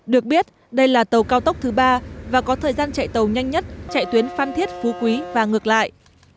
được biết đây là tàu cao tốc thứ ba và có thời gian chạy tàu nhanh nhất chạy tuyến phan thiết phú quý và ngược lại